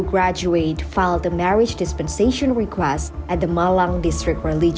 guru sekolah ini melakukan permintaan dispensasi perkahwinan di ketua perintah malang